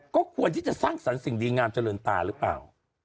ก็ควรที่จะสร้างสรรค์สิ่งดีงามเจริญตาหรือเปล่า